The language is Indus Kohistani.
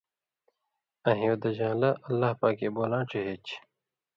آں ہیُودژان٘لے (اللہ پاکے) بولاں ڇِہے چھی۔